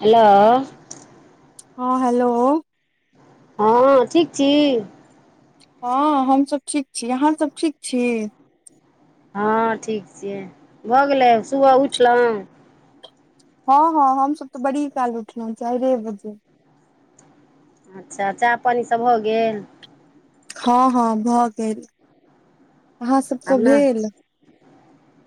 Hello. ह hello ह ठीक छी। ह हमसभ ठीक छी अहाँ सभ ठीक छी ह ठीक छियै भऽ गेलै सुबह उठलहुँ ह ह हम सब तऽ बड़ी काल उठलौं चाइरे बजे अच्छा चाह पानी सब भऽ गेल हऽहऽ भऽ गेल अहाँ सबके भेल [unintelligible]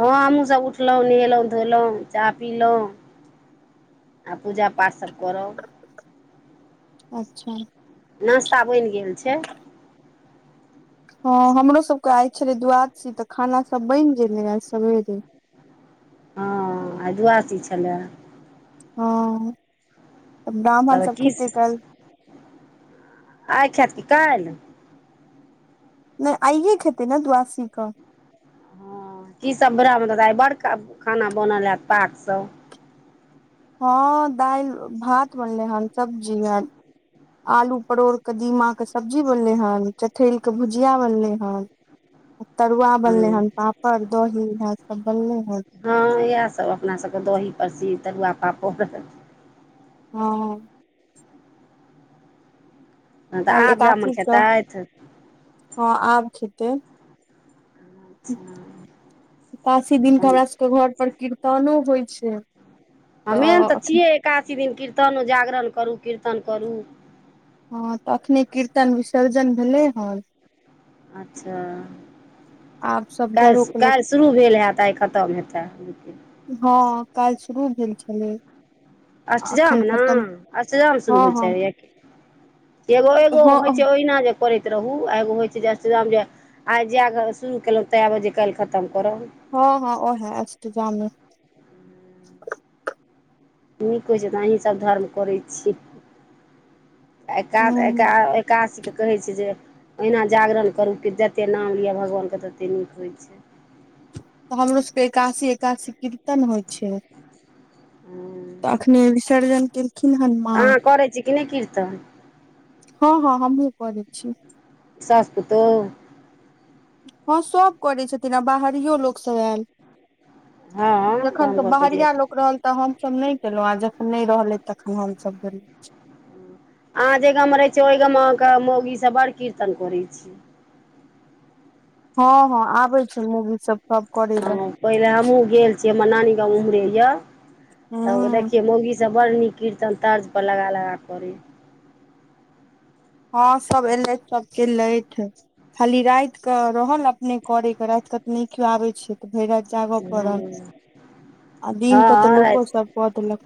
ह हमहुँ सब उठलौं नेहेलौ धोलौ चाह पिलौ आ पूजा पाठ सभ करब अच्छा नाश्ता बैन गेल छै ह हमरो सब कऽआय छले द्वादशी तऽ खाना सब बैन गैले आए सबेरे ह आइ द्वादशी छलै हऽ [inaudible] ब्राह्मण तब सब की खेतै काइल आइ खैत की काइल नै आइये खैते न द्वादशी कऽ ह की सब [unintelligible] बड़ खाना बनल हयत पाक सब ह दाइल भात बनले हन सब्जी भै आलू परोड़ कदीमा कऽ सब्जी बनलै हन चठेल केँ भुजिया बनलै हन तरुआ हँ बनलै हन पापड़ दही इएह सब बनलै हन हँ इएह सभ अपना सभ कऽ दही परसी तरुआ पापड़ ह ह तऽ काल्हि आब जाम एकादशी के खेतै हँ आब खेते [inaudible] एकाशी दिन कऽ हमरा सब कऽ घर पर कीर्तनो होइ छै ह मेन तऽ छियै एकादशी दिन कीर्तन जागरण करू कीर्तन करू हँ तऽ अखने कीर्तन विसर्जन भेलै हन अच्छा [inaudible] आप सब काइल घरो के लोक काइल शुरू भेल हयैत आइ खतम हेतै हँ काइल शुरू भेल छलै आ अष्टजाम अखन न खतम अष्टजाम शुरू हँ होइ हँ छै एगो एगो हँ होइ छै ओहिना जे करैत रहू आ एगो होइ छै जे अष्टजाम जे आइ जाय ग शुरू केलौ ते बजें काइल खतम करब ह ह ओहै अष्टजा में नीक होइ छै तऽ अहीं सब धर्म करै छी [unintelligible] हूँ एकाशी केँ कहै छै जे ओहिना जागरण करू कि जतेक नाम लिअ भगवान कऽ ततेक नीक होइ छै तऽ हमरो सब कऽ एकासी एकासी कीर्तन होइ छै तऽ हँ अखने विसर्जन केँ अहाँ करै छी कि नै कीर्तन हऽहऽ हमहूँ करै छी सास पोतोह हँ सभ करै छथिन आ बाहरियो लोक सब आयल [inaudible] हँ जखन गाम कऽ घरके जे बाहरिया लोक रहल तऽ हम सभ नै केलौ आ जखन नै रहले तखन हम सभ गेलौ अहाँ जे गाम मे रहे छियै ओइ गाम म अहाँ कऽ मौगी सब बड़ कीर्तन करे छी हं हं आबै छै मौगी सब सब करै लए हँ पहिले हमहूँ गेल छियै हमर नानी गाम व ओम्हरे यऽ [inaudible] तऽ ह देखियै मौगी बड़ड नीक कीर्तन तर्ज पर लगा लगा करी हँ सब एलथि सब कलैथ खाली राति कऽ रहल अपने करे के रात कऽ तऽ नहि केयो आबे छै तऽ भरि राति जागऽ पड़ल आ दिन के तऽ हँ लोको राति सब कऽ देलक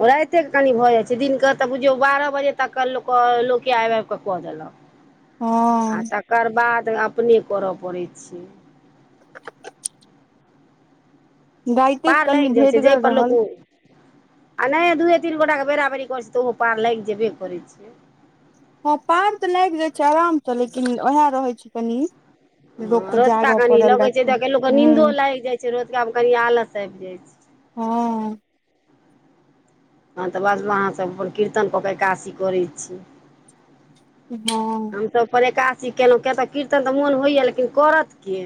राते कऽ कनि भऽ जाइ छै दिन क तऽ बुझियौ बारह बजे तक के लोक लोकके आबि आबि कऽ कऽ देलक [unintelligible] आ हँ तकर बाद अपने करऽ पड़ै छै राइते पार कनि लागि जाइ छै भेटगर जाहि पर लोक रहल ओ आ नहि दुए तीन गोटटा के बेरा बेरी करै छै तऽ ओहो पार लागि जेबे करै छै हँ पार तऽ लागि जाइ छै आराम सँ लेकिन उएह रहै छै कनि लोक हँ के रतुका जागऽ कनि पड़ल लगैत राति कऽ छै लोक नीन्दो ह लागि जाइत छै रतुका मे कनि आलस आबि जाइ छै हँ हँ तऽ बस अहाँ सभ अपन कीर्तन कऽ के एकादसी करै छी हँ तऽ पर एकादासी केलहुँ किया तऽ कीर्तन तऽ मोन होइया लेकिन करत के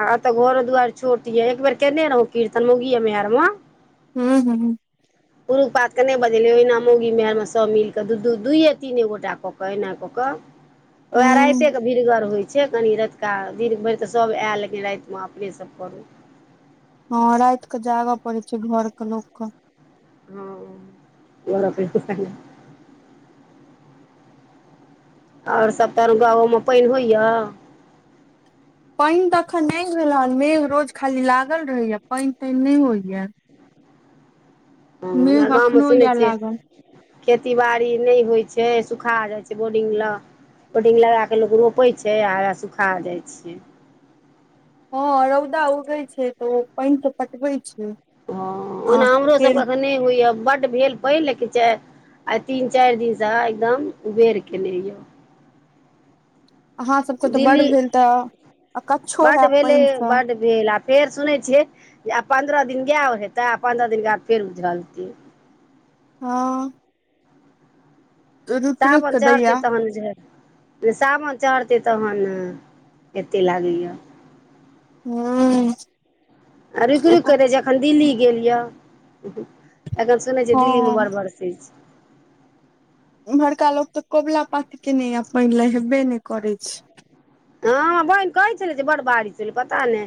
आ एतऽ घरो दुआरि छोट ये एक बेेर केने रहौ कीर्तन मोगियेमेहर मे हू हू पुरुक पातके नहि बजेलियै ओहिना मौगी मेहरमे सभ मिल कऽ दू दू दुइयए तीने गोटा कऽ कऽ एना कऽ कऽ ओएह राइते हूँ कऽ भीड़गर होइ छै छै कनि रातुका दिन भरि तऽ सब आयल लेकिन रातिमे अपने सब करू हँ रात कऽ जागऽ पड़ै छै घर कऽ लोकके हँ [unintelligible] आओर सब तहन गांव मे पानि होइया पानि तऽ अखन नहि भेल हऽ मेघ रोज खाली लागल रहैया पानि तानि नहि होइया हँ हमरा मेघ गाँवमे अखनो सुनै या छियै लागल खेती बाड़ी नहि होइ छै सुखा जाइ छै बोरिंग लऽ बडिंग लगाक लोक रोपे छै आ आ सुखा जाइ छै हँ रौदा उगै छै तऽ ओ पानि सऽ पटबे छै हँ आ ओना हमरो फेर सभके तऽ नहि होइए बड्ड भेल पहि लेके च आ तीन चारि दिनसँ एकदम उबेर केने यऽ अहाँ सबके तऽ बड़ दिल्ली भेल तऽ अकच्छो बड्ड होयब भेलै पानि सऽ बड्ड भेल आ फेर सुनै छियै जे आब पन्द्रह दिन गाय हेते आ पन्द्रह दिन बाद फेर उझलतीै हँ रुकि रुकि साबन कऽ दैया चढ़तै तहन जे तऽ सावन चढ़तै तहन एते लागैया हू आ रुकि रुक के देे छै अखन दिल्ली गेल ये एखन सुनने छी दिल्ली में बड़ हँ बरसा [unintelligible] छै इम्हरका लोक तऽ कबुला पाती केने या पानी लऽ होबे नहि करे छै हँ बहिन कहै छलै जे बड़ बारिश भेलै पता नहि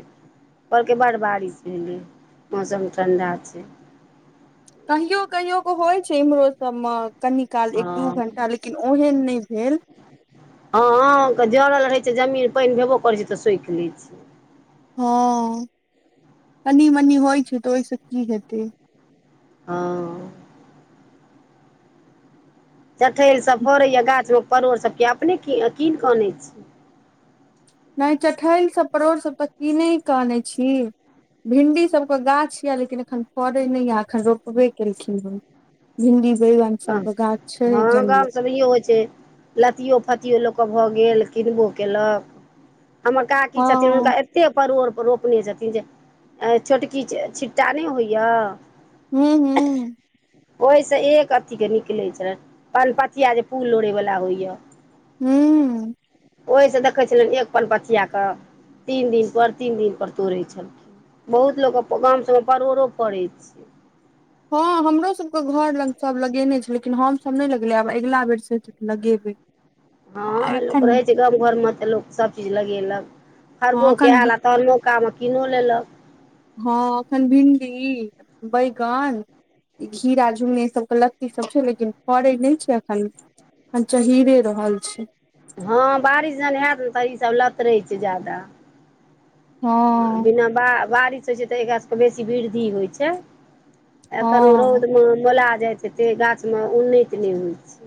कहलकई बड बारिश भेलै मौसम ठण्डा छै कहियो कहियो कऽ होइ छै इम्रो सब मे कनि काल एक दू हँ घंटा लेकिन लेकिन ओहन नहि भेल हँ हँ जरल रहै छै जमीन पानि भेबो करै छै तऽ सखि लै छै ह कनी मनी होइ छै तऽ ओहिसँ की हेतै ह। चठेल सभ फड़ै या गाछ मे परोड़ सभके अपने कीन कऽ अनै छी नहि चठल सभ परोर सभ तऽ कि नै कऽ आनै छी भिंडी सभके गाछ यए लेकिन एखन फड़ै नहि यए एखन रोपबे केलखिन हे भिन्दी बैगन। ह हमरो गाम जनमल सभ इ होइ छै लत्तयो फ्ततीयो लोक के भऽ गेल किनबो केलक हमर काकी हँ छथिन हुनका। एते परोर के रोपने छथिन जे छोटकी छिट्टा नहि होइया। हू हू। ओहिसँ एक अथी के निकले छै पान पथिया जे पूल लोड़े वाला होइया हू। ओहि से देखै छलनि एक पन पथिया के तीन दिन पर तीन दिन पर तोड़ै छल। बहुत लोग के गाम सभ मे परोरो फड़ै छै हँ हमरो सभके घर लग सभ लगेने छै लेकिन हमसभ नहि लगेले आब अगिला बेरस लगेबै ह आ लोक एखन रहै छै गाम घर मे तऽ लोक सभ चीज लगेलक फरबो हँ एखन आयल आ तहन मौका मे किनो लेलक ह एखन भिणडी बैगन खीरा झुगनी सभके लत्ती सभ छै लेकिन फड़ै नहि छै एखन अखन चहिरे रहल छी। ह बारिश जन होयत ने तऽ ईसभ लतरे छै जादा हँ आ बिना बा बारिश होइ छै तऽ एकरा सभके बेसी वृद्धि होई छै एखन हँ रौद मे मोला जाय छै ते गाछ मे उन्नति नहि होई छै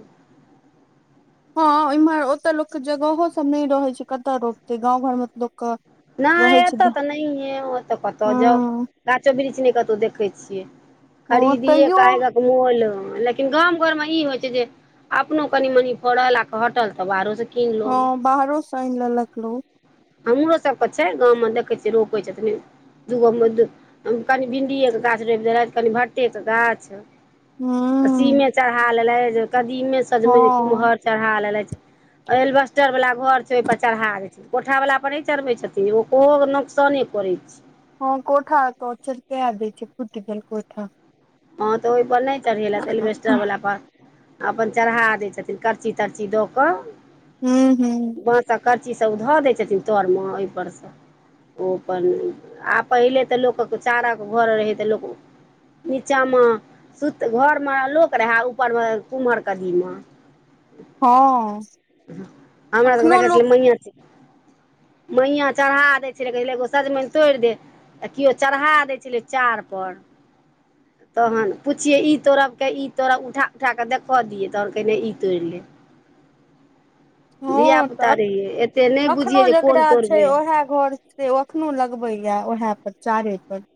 हँ एमहर ओतऽ लोकके जगहो सभ नहि रहै छै कतय रोपतै गाम घरमे तऽ लोकके नहि एतऽ तऽ नहिहै ओ तऽ कतहु जाऊ हँ गाछो वृक्ष ने कतौ देखे छियै हँ खरीदिये तैयो कऽ आग मोल लेकिन गाम घर मे ई होई छै जे अपनो कनि मनी फड़ल आ घटल तऽ बाहरो स ह। बाहरो से आनि लेलक लोग हमरो सभके छै गाव मे देखै छियै रोपै छथीन दूगोमे कनि भिणडिए के गाछ रोपि देलथि कनि भट्ठटे के गाछ। हूँ। कदिमे सीमे चढ़ा लेले जे कदीमे सजमनि हँ कुमहर चढ़ा लेलैथ एलीबस्टर वाला घर छै ओहि पर चढ़ा दे छै कोठा वाला पर नहि चढ़बै छथिन ओ ओके नोकसाने करै छै ह कोठा पर चिपकै दय छै फुट गेल कोठा ह तऽ ओहि पर नहि चढ़ेलथि हूँ एलवेस्टर वला पर अपन चढ़ा दै छथिन करची तरची दऽ क हू हू। बाँस आ करची सभ धऽ दय छथिन तर मे ओहि पर से ओ अपन आ पहिले तऽ लोकऽ चारक घर रहै तऽ लोक नीचा मे सुत घर मे लोक रहै ऊपर मे कुम्हर कदीमा ह हमरा तऽ लगै छलै म [inaudible] मैआ चढ़ा दै छलै कहै एगो सजमेइन तोड़ दे त केओ चढ़ा दै छलै चार पर [inaudible] तहन पुछिये ई तोड़ब के ई तोड़ब उठा उठा के देखऽ दियै तहन कहै नेई तोइड़ ले हँ धियापुता तऽ रहियै एते नहि एखनो बुझियै जे जेकरा कोन छै तोड़बै ओह घर से ओखन लग पै य ओहै पर चारे पर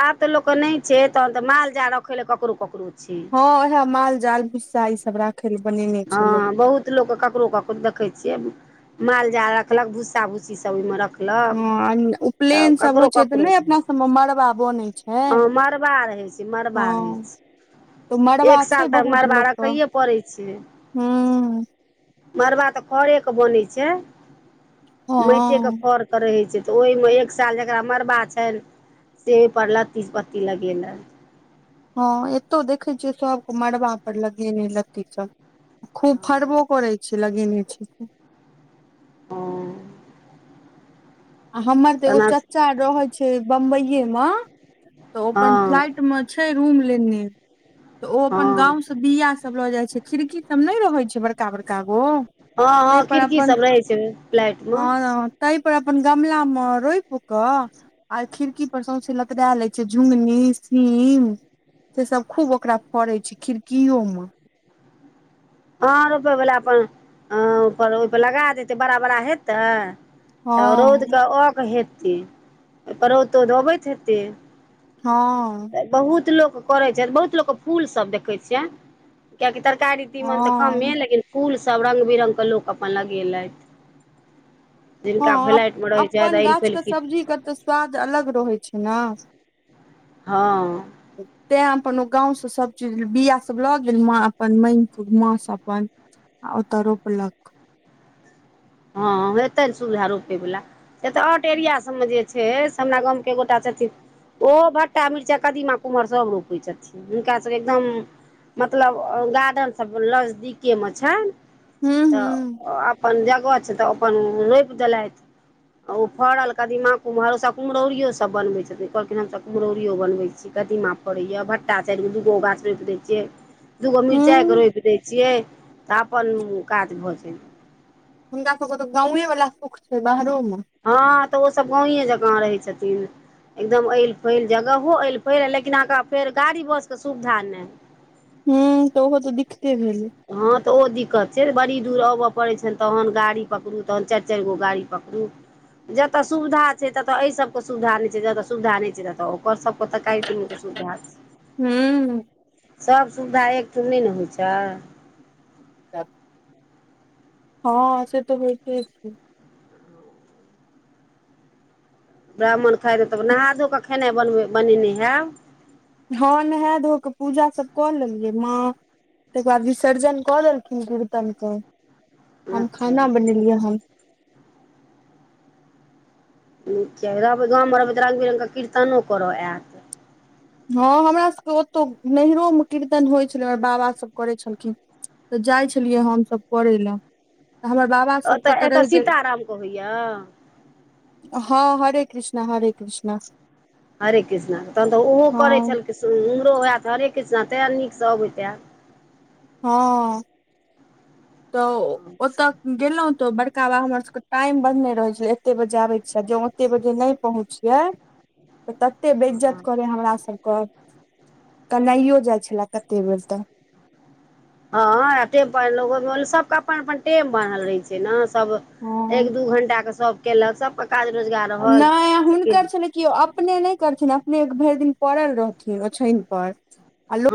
आब तऽ लोक के नय छै तहन तऽ माल जाल रखे लए ककरो ककरो छै ह ओहाय माल जाल भुसा ई सब राख हँ बहुत लोक के ककरो ककरो देखे छिये माल जाल राखलक भूस्सा भूस्सी सब उहि मे रखल लक हँ तऽ उपनयन सब ककरो होइ तऽ ककरो नहि छै अपना सबमे मड़बा बनै छै ह मड़बा रहइ छै मड़बा रहै हँ तऽ छै मड़बा एक छै साल तऽ बहुत मड़बा लोकके रखैए पड़ै छै हूँ मड़बा तऽ खरे के बनै छै माइटे के हँ खर रहै छै तऽ ओहिमे एक साल जकरा मड़बा छैन से पर लती पत्ती लगेलक हँ एतौ देखै छियै सबक मड़बा पर लगे लत्ती सब खूब फड़बो करै छै लगेने छै जे अ आ हमर तऽ एगो चाचा रहे छै बम्बईे मे तऽ ओ अपन हँ फ्लाइट मे छैय रुम लेने तऽ ओ अपन हँ गाँंव से बिया सब लऽ जाइ छैय खिड़की सब नै रहै छैय बड़का बड़का गो ह ताहि ह पर खिड़की सब रहै छैन फ्लैट म तै पर अपन गमलामे रोइप कऽ आ खिड़की पर सौंसे लतरा लेय छैय झुंगनी सीम से सब खुब ओकरा फड़ैय छैय खिड़कियो म ह रोपै वला अपन अप ओइपर लगा देतै बड़ा बड़ा हेतै तऽ हँ रौदक अक हेतै ओतह रौद तौद अबैत हेतै हँ तऽ बहुत लोक करैय छैय बहुत लोको के फुल सब देखैय छियै कियाकि तरकारी तीमन तऽ कमे हँ लेकिन फुल सब रंग बिरंग के लोक अपन लगेलेथ जिनका हँ फ्लाइटमे रहैय छैथ अपन अइल गाछ फइल के किछ सब्जी के तऽ स्वाद अलग रहैय छैय न हँ [inaudible] तैं अपन ओ गाँवस सब चीज बिआ सब लऽ गेल माॅ अपन मागिके माॅ स अपन आ ओतऽ रोपलक ह हेतैन ने सुविधा रोपे वलाऽ ऐत आउट एरिया सबमे जे छै से हमरा गामके एक गोटा छथिन ओहो भट्टा मिरचाय कदीमा कुमहर सब रोपै छथिन हुनका सब एकदम मतलब गार्डन सब लजदीकेमे छैन हूँ हूँ तऽ अपन जगह छैय तऽ अपन रोइप देलैत ओ फड़ल कदीमा कुमहर ओ सब कुमहौरियो सब बनबैय छथिन कहलखिन हमसभ कुम्हौरियो बनैबैय छी कदीमा फरैया भट्टा चाइर गो दूगो गाछ रोइप दैय छियै दुगो मिरचाइ के हूँ रोपि दैय छियै तऽ अपन काज भऽ जाइये हुनका सभके तऽ गावे वाला सुख छैन बाहरोमे ह तऽ ओ सभ गावए जका रहैय छथिन एकदम एल फैल जगहो एल फैल लेकिन अहाँकेँ फेर गाड़ी बस के सुविधा नै हु तऽ ओहो तऽ दिक्ते भेलै। ह तऽ ओ दिक्कत छैय बड़ी दुर आबय पड़ै छनि तहन गाड़ी पकडु तहन चारि चारि गो गाड़ी पकड़ु जतह सुविधा छैय ततह अइ सभ के सुविधा नै छैय जतह सुविधा नै छैय ततह ओकर सभ के तरकारी तीमन के सुविधा छै हु। सभ सुविधा एकठाम नै होइ छैय हैं से तऽ होइते छैय ब्राह्मण खाय देबे तब नहा धो कऽ खेनाइ बनबै बनेने हैब। हैं नहा धो कऽ पुजा सभ कऽ लेलियै माँ तकर बाद विसर्जन कऽ देलखिन कीर्तनक हम अच्छा खाना बनेलियै हैं कि छै रहबै गाममे रहबै तऽ रंग बिरंगके कीर्तनो करय आयत ह हमरा सके ओतहु नहिरो मे कीर्तन होइत छलै हमर बाबासभ करै छलखिन तऽ जाई छलियै हमसभ करै लए हमर बाप ओतऽ एतय सीताराम के होइया। ह हरे कृष्णा हरे कृष्णा हरे कृष्णा तहन तऽ ओहो हँ करै छलखिन हमरो हए हरे कृष्णा तै नीकसँ अबैतै ह तऽ हैत ओतऽ गेलहुँं तऽ बड़का बाबा हमर सभके टाइम बदने रहैत छलै एतेक बजे आबै छियै जे ओतेक बजे नहि पहुँचियै त तऽ तते हँ बेज्जत करै हमरा सभके केनाइो जाइ छलए कते बेर तऽ ह एते बान सभके अपन अपन टेम बान्हल रहै छै ने सभ हँ एक दू घण्टाके सभ केलक सभके काज रोजगार रहल लेकिन त केओ अपने नहि करथिन अपने भरि दिन पड़ल रहथिन ओछाइन पर आ लोक।